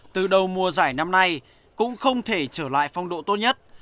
từ đầu mùa giải năm nay cũng không thể trở lại phong độ tốt nhất